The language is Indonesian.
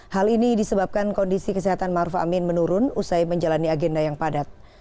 hal ini disebabkan kondisi kesehatan maruf amin menurun usai menjalani agenda yang padat